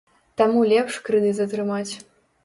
Таму лепш крэдыт атрымаць.